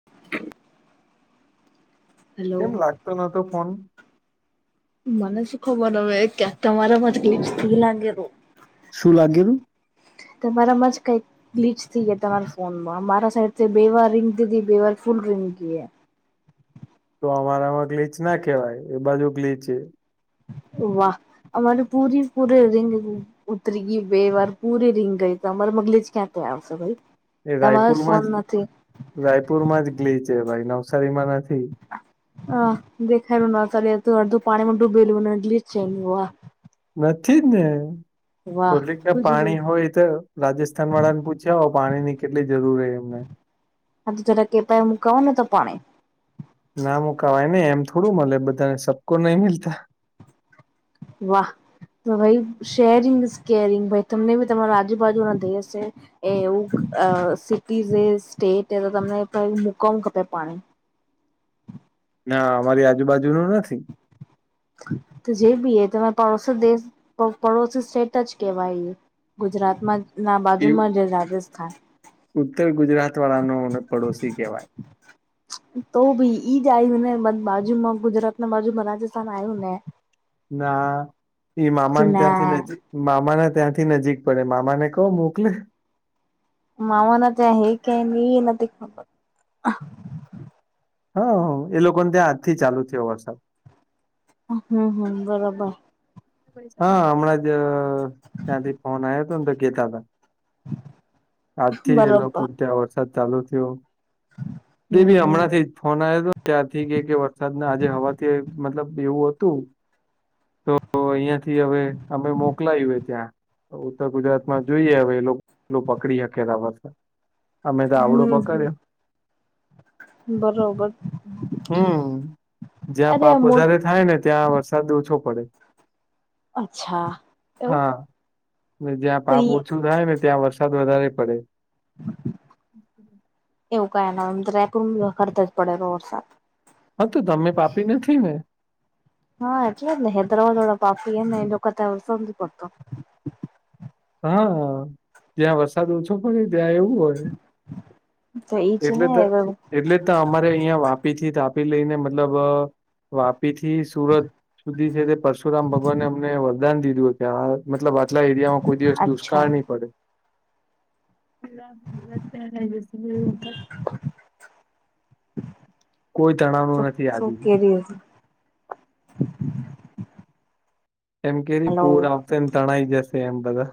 [inaudible] કેમ લાગતો નતો ફોન? મને શું ખબર હવે. ક્યાંક તમારામાં જ [unintelligible] લાગે તો. શું લાગેલું? તમારામાં જ કઈક બ્લીચ થઈ ગયા તમારા ફોન માં મારા સાઈડ બે વાર રીંગ દીધી બે વાર ફૂલ રિંગ ગઈ. તો અમારામાં ગ્લીચ ના કહેવાય એ બાજુ ગ્લીચ છે. વાહ અમારે પૂરી પૂરેે રિંગ ગઈ ઉતરી ગઈ બે વાર પૂરી રીંગ ગઈ તો અમારે ગ્લિચ ક્યાંથી આવશે ભાઈ. તમારો જ ફોન નથી રાયપુર માં જ ગ્લીચ છે ભાઈ નવસારીમાં નથી. હા દેખાય ર [unintelligible] અડધું પાણીમાં ડૂબેલુંને [unintelligible] નથી ને, વાહ [unintelligible] ના ગુજરું પાણી હોય તો રાજસ્થાન વાળા ને પૂછયાવો પાણી ની કેટલી જરૂર હે એમને. [unintelligible] ને તો પાણી ના મુકાવાય ને એમ થોડું મળે બધાને સબકો નહી મીલતા. વાહ તો ભાઈ શેરિંગ ઇઝ કેરિંગ ભાઈ તમને બી તમારા આજુબાજુ ના દેશ છે એ એવું અ સિટી સ્ટેટ તો તમને [unintelligible] પાણી ના અમારી આજુબાજુ નું નથી. તો જે ભી એ તમારો પડોશી દેશ પડોશી સ્ટેટ જ કેવાય. ગુજરાત માં ના એ બાજુમાં જ રાજસ્થાન ઉત્તર ગુજરાત વાળા ન પડોશી કહેવાય તો ભી ઈજ આવ્યું ને બાજુમાં ગુજરાત ના બાજુમાં રાજસ્થાન આવ્યું ને ના ઈ મામાને તું ત્યાંથી ના નજીક મામા ના ત્યાંથી નજીક પડે મામાને કહો મોકલે મામાના ત્યાં હે કે એ નથી ખબર હા હ એ લોકો ને ત્યાં આજ થી ચાલુ થયો વરસાદ હમ હમ બરોબર હા હમણાં જ ત્યાંથી ફોન આવ્યો હતો ને તો કેતા હતા આજથી એ બરોબર લોકો ત્યાં વરસાદ ચાલુ થયો હમ દવીી હમણાંથી હમ ફોન આવ હતો ત્યારથી કે વરસાદ આજે હવાથી મતલબ એવું હતું તો અહિયાં થી હવે અમે મોકલાયું એ ત્યાં ઉત્તર ગુજરાત માં જોઈએ હવે એ એ પકડી શકેલા વ અમે તો આવડો હમ પકડ્યો બરોબર હમ અરે જ્યાં આ પાપ મો વધારે થાય ને ત્યાં વરસાદ ઓછો પડે અચ્છા એવું હા જ્યાં તો પાપ ઓછું થાય ને ત્યાં વરસાદ વધારે પડે એવું કાંઈ ના હોય [unintelligible] હા તો તમે પાપી નથી ને હા એટલે જ નને હૈદરાબદ વાળા પાફી એ લોકો ત્યા વર નથી પડતો હા ત્યાં વસ છાદ ઓછો પડે ત્યાં એવું હોય તો એજ એટલે ને તો એટલે અમારે અહિયાં વાપી થી તાપી લઈ ને મતલબ વાપી થી સુરત સુધી છે તે પરશુરામ ભગવાનને અમને વરદાન દીધું કે હ મતલબ આટલા એરિયામાં કોઈ દિવ અચ્છા દુષ્ળ નહીં [inaudible] કોઈ તણાવ નું નથી આજ જ એમ કેરી હલો પૂર આવશે એમ તણાઈ જશે એમ બધા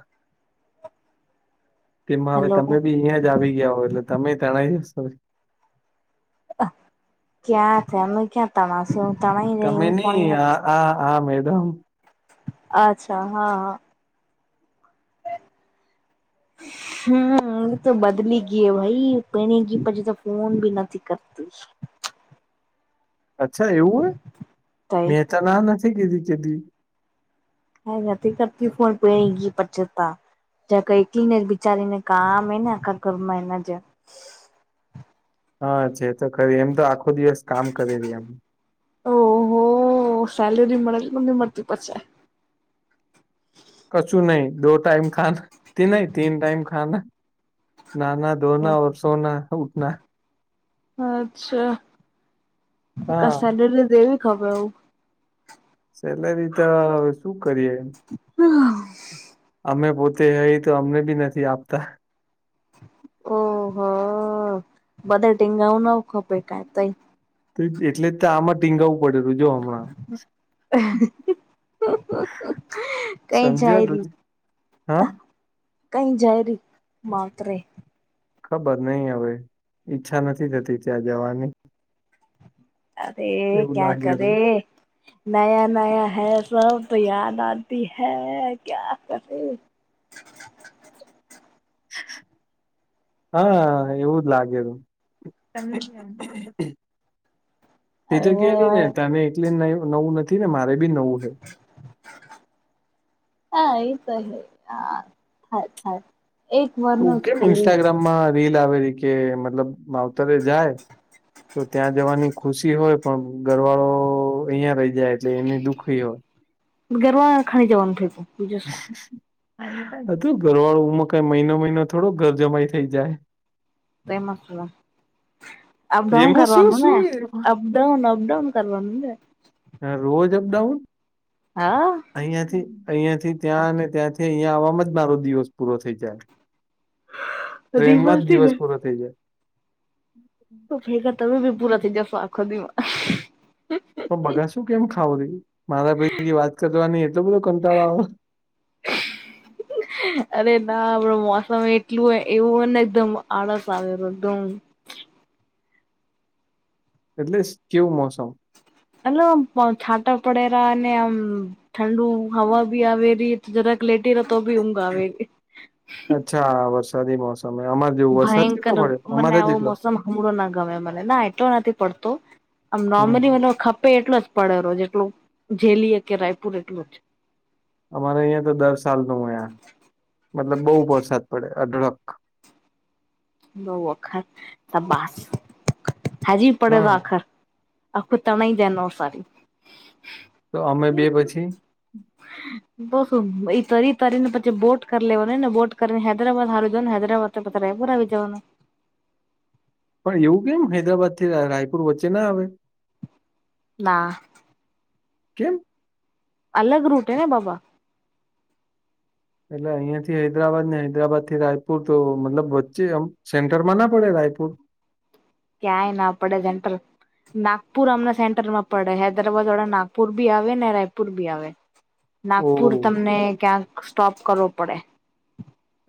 તેમાં હવે હલો તમે બી અહિયાં જ આવી ગયા હો એટલે તમે તણાઈ જશો ક્યાં છે અમે ક્યાં તણશ હ તણાઈ નઈ એવું પણણી નથી હ આ મેદમ અચ્છા હા હા [inaudible] હમ એ તો બદલી ગય ભાઈ ભેણી ગી પછી તો ફોન ભી નથી કરતું અચ્છા એવું હોય તઈ મેં ત ના નથી કીધી કેધી હ નથી કરતી ફોન પ ગી પચતા જ ક એકલી ને બિચારી ને કામ એ ને આખા ઘરમાં એના જ હા છે તો ખરી એમ તો આખો દિવસ કામ કરી ર્યા એમ ઓહો સેલેરી મળેલી મમ્મી મળતી પછે. કશું નહી દો ટાઈમ ખા નહી તીન ટાઈમ ખાાન નાના ધોના સોના ઉઠના હા અચ્છાેવી ખ સેલરી તો શું કરીએ. હ. અમે પોતે હ તો અમને બી નથી આપતા. ઓહો બધા ટીંગાઓ ના ખપે કઈ તઈ. એટલે તો આમાં ટીંગાવું પડેું જો હમણાં. કઈ જાય સમજ્યા રી હા. કઈ જરી માત્રે ખબર નહી હવે ઈચ્છા નથી થતી ત્યાં જવાની. અરે એવું ક્યા લાગેલું કરે નયા નયા હૈ સબ તો યાદ આતી હૈ ક્યા કરે. [inaudible] હા એવું જ લાગે. એ તો કેને અરે તને એટલે નવું નથી ને મારે બી નવું હે હા એ તો હે થાય થાય. એક વારનું તું જ કેમ ખાલી. ઇન્સ્ટાગ્રામમાં રીલ આવેલી કે મતલબ માવતરે જાય તો ત્યાં જવાની ખુશી હોય. પણ ઘરવાળો અહિયાં રહી જાય એટલે એને દુખી હોય. ગરવા ખાઈ જવાનુ કેજે ઘરવાળુંમાં કઈ મહિનો મહિનો થોડો ઘર જમાઈ થઇ જાય. એમાં શું. અપડાઉન એમાં શું કરવાનું ને શું અપડાઉન અપડાઉન કરવાનું ને. હ રોજ અપડાઉન. હા. અહિયાં થી અહિયાં થી ત્યાં ત્યાંથી અહિયાયા આવવામાં મારો દિવસ પૂરો થઈ જાય. ટ્રેનમાં જ દિવસથી ને દિવસ પૂર થઈ જાય. [unintelligible] પણ બગા શું કેમ ખાવું મારા ભાઈ વાત કરવાની એટલો બધો કંટાળો આવે. અરે ના આપડ મોસમ એટલું હોય એવું હોય ને એકદમ આળસ આવે એકદમ. એટલે કેવું મોસમ. એટલે આમ છાટા પડેરા અને આમ ઠંડુ હવા બી આવેલી જરાક લેટી રે તો બી ઊંઘ આવે અચ્છા વરસાદી મોસમે અમારે જેવો વરસાદ કેટલો પડ્યો અમારે જ એટલો. હડો ના ગમે મને ના એટલો નથી પડતો આમ હમ નોર્મલી મને ખપે એટલો. પડે રો જેટલું જેલી કે રાયપુર એટલું અમારે અહિયાં તો દર સાલ [unintelligible] મતલબ બઉ વરસાદ પડે અઢળક. બ અખર ત બાસ હાજી પડ હા આખર. આખું તણાઈ જાય નવસારી. તો અમે બે પછી. બ ઈ તરી તરી ને પછી બોટ કરી લેવાનું ને બોટ કરીને હૈદરાબાદ હાર જો ને હૈદરાબાદ. રાયપુર આવી જવાનુ પણ એવું કેમ હૈદરાબાદ થી રાયપુર વચ્ચે ના આવે. ના. કેમ. અલગ રૂટ હેને બાબા. એટલે અહિયાં થી હૈદરાબાદ ને હૈદરાબાદ થી રાયપુર તો મતલબ વચ્ચે એમ સેન્ટરમાં ના પડે રાયપુર ક્યાંય ના પડે સેન્ટર નાગપુર અમને સેન્ટર માં પડે હૈદરાબાદ વાળા નાગપુર બી આવે ને રાયપુર બી આવે નાગપુર ઓહ તમને ક્યાંક સ્ટોપ કરવો પડે.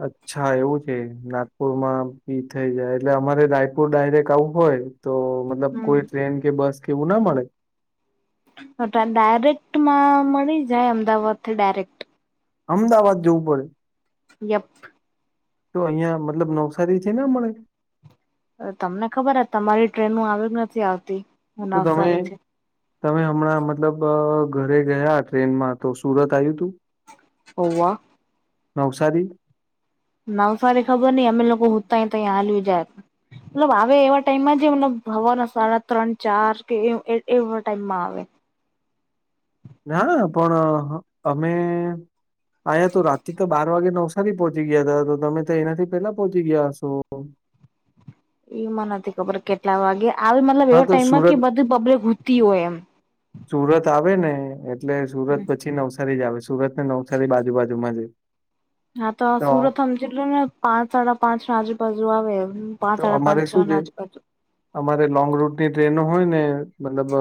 અચ્છા એવું છે નાગપુર માં બી થઈ જાય એટલે અમારે રાયપુર ડાયરેક્ટ આવું હોય તો મતલબ હમ. કોઈ ટ્રેન કે બસ કે એવું ના મળે. હટા ડાયરેક્ટ માં મળી જાય અમદાવાદ થી ડાયરેક્ટ અમદાવાદ જવું પડે. યપ તો અહિયાં મતલબ નવસારી છે ને મળે તમને ખબર જ તમારી ટ્રેનું આવે કે નથી આવતી. તો તમે નવસારીથી. તમે હમણાં મતલબ ઘરે ગયા ટ્રેનમાં તો સુરત આવ્યું તુ હોવ નવસારી નવસારી ખબર નઈ અમે લોકો હુતાય તો હાલયુ જાય. મતલબ આવે એવા ટાઈમમાં જે મત હવારના સાડા ત્રણ ચાર કે એવા ટાઈમમાં આવે ના પણ અમે આયા તો રાત્ર તો બાર આઠ વાગે નવસારી પહોંચી ગયા હતા તો તમે તો એનાથી પેલા પહોચ ગયા હશો. એમાં નથી ખબર કેટલા વાગે આવી મતલબ હા એવા તો ટાઈમમાં સુરત કે બધી પબ્લિક હુતી હોય એમ સુરત આવે ને એટલે સુરત પછી નવસારી નવસારી જ આવે સુરત ને નવસારી બાજુ બાજુમાં જ હે હા તો સુરત હમ્મ જેટલું ને પાંચ સાડા પાંચ આજુબાજુ આવે એમ પાંચ તો સાડા પાંચ અમારે છો શું છે ના આજુ બાજુ અમારે લોંગ રૂટની ટ્રેનો હોય, ને મતલબ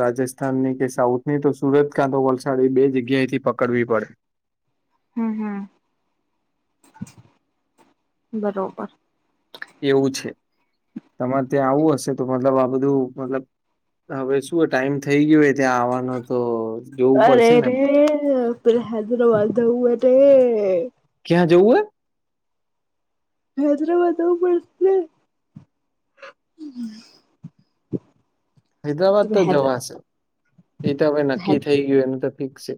રાજસ્થાનની કે સાઉથ નહી તો સુરત કાં તો વલસાડ એ બે જગ્યાએ થી પકડવી પડે હમ્મ હમ્મ બરોબર એવું છે તમારે ત્યાં આવું હશે તો મતલબ આ બધું મતલબ હવે શું ટાઈમ થઈ ગયો હે ત્યાં આવવાનો તો જોવું અરે પડશે ને રે આપડે હૈદરાબાદ જવું હે રે ક્યાં જવું હે હૈદરાબાદ જઉ પડશે હૈદરાબાદ તો હૈદ જવાશે એ તો હવે નક્કી થઈ ગયું એનું તો ફિકસ છે.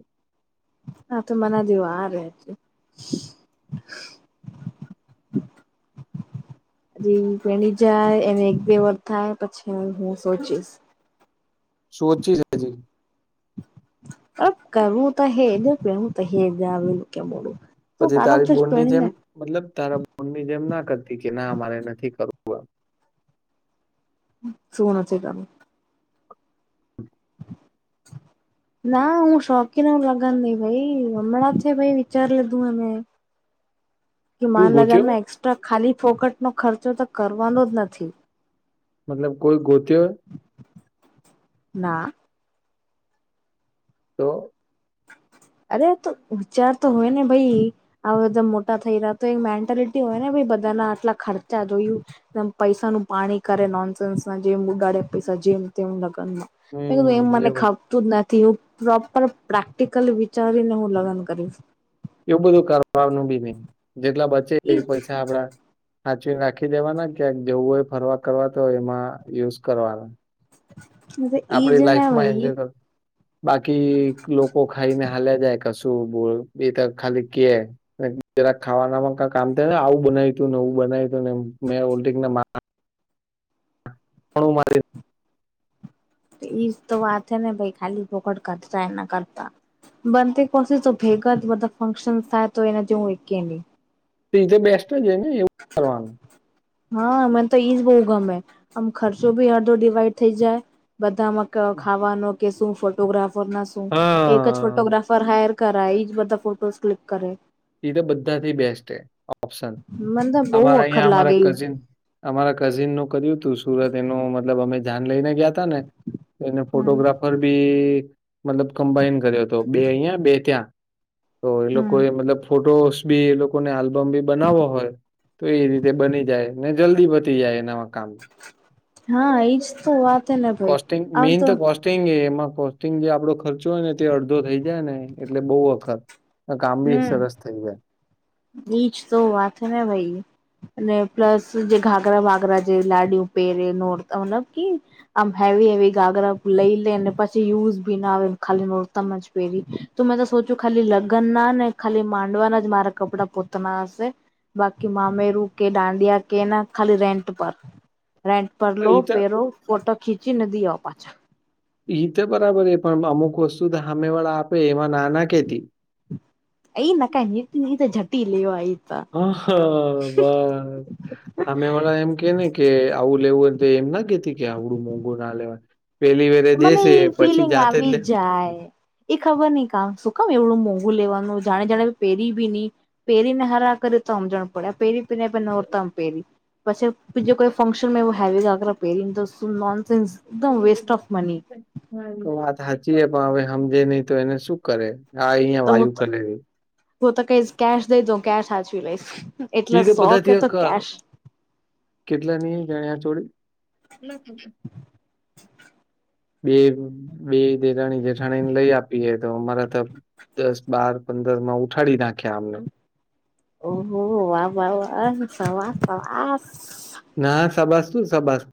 હા તો મને હજી વાર હે હમ્મ પએણી જાય એને એક બે વાર થાય પછી હું સોચીશ સોચી જ હજી કરું તો હેજ હું તો હેજ આવેલું કે મોડુ પછી તારી બોનની જેમ મતલબ તારા બોનની જેમ ના કરતી કે ના મારે નથી કરવુ શું નથી કરવુ ના હું શોખીન લગન નઈ ભાઈ હમણાં થી ભાઈ વિચારી લીધું હે મે કે કોઈ માર ગોત્યો હોય લગનમાં એક્સ્ટ્રા ખાલી ફોકટ નો ખર્ચો તો કરવાનો જ નથી. મતલબ કોઈ ગોતીયો હે ના તો અરે તો વિચાર તો હોય ને ભાઈ હવે તો બધા મોટા થઈ રહ્યા તો એક મેન્ટાલિટી હોય ને ભાઈ બધાના આટલા ખર્ચા જોયુ પૈસા નું પાણી કરે નોનસેન્સ ના જેમ ઉડાડે પૈસા જેમ તેમ લગ્નમા મે કીધું એમ હમ મને એવું ખપતું જ નથી એ પ્રોપર પ્રેક્ટિકલ કરીને હું લગન કરીશ એવું બધું કરવાનું બી ન જેટલા બચે એ પૈસા આપડા સાચવી રાખી દેવાના ક્યાંક જેવું હોય, ફરવા કરવા તો હોય એમાં યુઝ કરવાના ઈ આપડી જ ને લાઈફ માં ભાઈ એન્જોય કર બાકી લોકો ખાઈને ભાલે જાય કસું બો એ તો ખાલી કેય જરાક ખાવાનામાં ક કામ થ ને આવું બનાય તુ નેવું બનાય તું ને મેં ઓલંગને હું મારે ઈજ તો વાત હે ને ભાઈ ખાલી પોખડ કરતા એ ના કરતા બનતી કોશ તો ભેગા બધા ફંક્શન થાય તો એના જે હું એકકીને એતો બેસ્ટ જ ને એવું કરવાનુ હા મને તો ઈજ બહુ ગમે આમ ખર્ચો બી અડધો ડીવાઈડ થઈ જાય બધામાં- ખાવાનો કે શું ફોટોગ્રાફર ના શું એક જ હા ફોટોગ્રાફર હાયર કરાય એજ બધા ફોટોસ ક્લિક કરે. એ તો બધાથી બેસ્ટ છે, ઓપ્શન મને તો બહુ અમારા અખર અહં લાગે અમારા ઈ. કઝિન- અમારા કઝિન નું કર્યું તું સુરત એનું મતલબ અમે જન લઈને ગયા તા ને એને હમ ફોટોગ્રાફર બી મતલબ કમ્બાાઈન કર્યો હતો બે અહિયાં બે ત્યાં તો એ હમ લોકોએ મતલબ ફોટોસ બી એ લોકોને આલ્બમ બી બનાવવો હોય? તો એ રીતે બની જાય ને જલ્દી બતી જાય એ નવા કામ- હા એજ તો વાત- હે ને ભાઈ કોસ્ટિંગ આમ મેઇન તો કોસ્ટ સ્ટિંગ એ એમાં કોસ્ટિંગ જે આપડો ખર્ચો હોય ને તે અડધો થઈ જાય ને એટલે બહુ વખત કામ બી સરસ થઈ જાય! ની જ તો વાત ને ભાઈ- અને પ્લસ જે ઘાઘરા વાઘરા જે લાડ પેરે નોરતા મતલ કે આમ હેવી હેવી ગાગરા લઈ લેને પછી યુઝ બી ના આવે એ ખાલી નોરતમ જ પહેરી ત મેં તો સોચું ખાલી લગ્ન ના ને ખાલી માંડવાના જ મારાક- કપડા પોતાના હશે બાકી મામેરું કે દાંડિયા કે ના ખાલી રેન્ટ પર- રેન્ટ પર પણ લો ઈ તો પેરો ફોટો ખીચી નદી આવ પાછા- ઈ તો બરાબર પણ અમુક વસ્તુ સામે વાળા આપે એમાં નાના કેતી- અઈ નકા નિટનીધ જઝટી લ એવ આયતા- હ-હ બસ અમે વાળા એમ કે ને કે આવું લેવું- એમ ના કેતી કે આવડું મોંઘું ના લેવાય પેલી વારે મને દેસે એ પછી ફિલિંગ જાતે જ આવી લે- જાય. એ ખબર નહ કામ શું કામ એવડું મોંઘું લેવાનું જાણે જાણે પહેરી બી નહી- પેરીને હરા કરી તામ જાણ પડ્યા પેરી પીને પનેર ધામ પેરી- પછીજ કોઈ ફંક્શન એ હે આ પહેરી ને તોન્ એકમ વેસ્ટ ઓફ- [inaudible] તો વાત સાચી પણ હવે સમજે નહીિ તો એને શું કરે આ અહિયાં હું વાયુ કરલેે- તો તો કઈ કેશ દે તો કશ હચવી લઈ- એ તો બધાથી- કેટલા ની ચનીયા ચોડી- [inaudible] બે-બે દેઠાણી જેઠાણીને લઈ આપીએ તો અમારા ત- દસ બાર પંદર માં ઉઠાડી નાખ્યા આમને- ઓહો વા-વા-વા સબાસ - ના સાબસ તું સબાસ